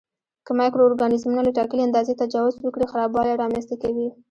که مایکرو ارګانیزمونه له ټاکلي اندازې تجاوز وکړي خرابوالی رامینځته کوي.